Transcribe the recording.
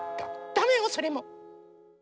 だめよそれも。